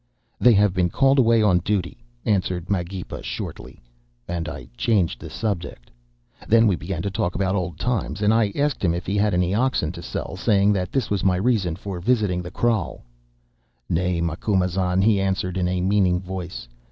"'They have been called away on duty,' answered Magepa shortly; and I changed the subject. "Then we began to talk about old times, and I asked him if he had any oxen to sell, saying that this was my reason for visiting the kraal. "'Nay, Macumazahn,' he answered in a meaning voice.